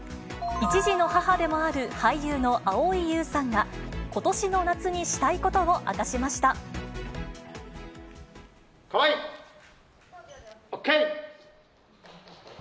１児の母でもある俳優の蒼井優さんが、ことしの夏にしたいことをかわいい！ＯＫ！